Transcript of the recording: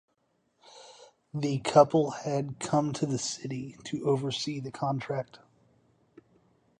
The couple had come to the city to oversee the contract.